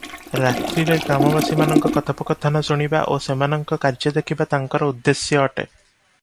ରାତ୍ରିରେ ଗ୍ରାମବାସୀମାନଙ୍କ କଥୋପକଥନ ଶୁଣିବା ଓ ସେମାନଙ୍କ କାର୍ଯ୍ୟ ଦେଖିବା ତାଙ୍କର ଉଦ୍ଦେଶ୍ୟ ଅଟେ ।